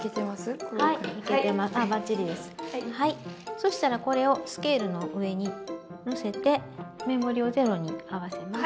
そしたらこれをスケールの上に載せてメモリをゼロに合わせます。